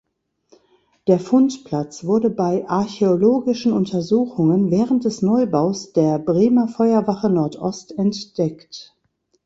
Der Fundplatz wurde bei archäologischen Untersuchungen während des Neubaus der Bremer Feuerwache Nordost entdeckt.